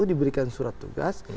diberikan surat tugas